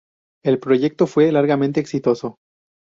El proyecto fue largamente exitoso.